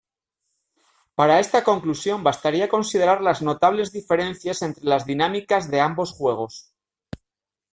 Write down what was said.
Para esta conclusión bastaría considerar las notables diferencias entre las dinámicas de ambos juegos.